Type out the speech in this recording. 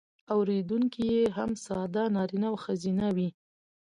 اوریدونکي یې هم ساده نارینه او ښځینه وي.